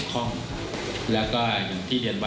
มีความรู้สึกว่ามีความรู้สึกว่า